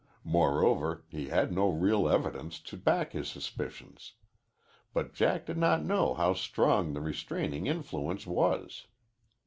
Moreover, he had no real evidence to back his suspicions. But Jack did not know how strong the restraining influence was.